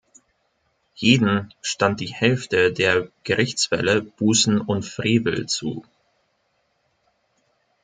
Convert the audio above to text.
Jedem stand die Hälfte der Gerichtsfälle, Bußen und Frevel zu.